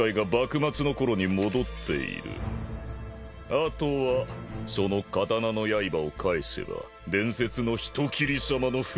あとはその刀のやいばを返せば伝説の人斬りさまの復活だ。